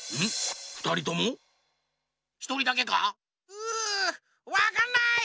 うわかんない！